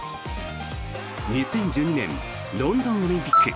２０１２年ロンドンオリンピック。